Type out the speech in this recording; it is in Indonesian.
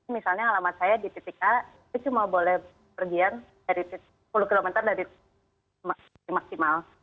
misalnya alamat saya di titik a itu cuma boleh pergian dari sepuluh km dari maksimal